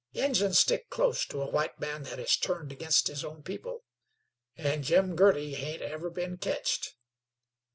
Injuns stick close to a white man that has turned ag'inst his own people, an' Jim Girty hain't ever been ketched.